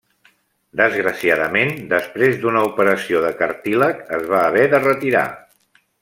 Desgraciadament, després d'una operació de cartílag es va haver de retirar.